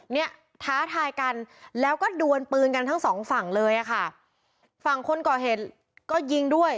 เนี่ยท้าทายกันแล้วก็ดวนปืนกันทั้งสองฝั่งเลยอ่ะค่ะฝั่งคนก่อเหตุก็ยิงด้วย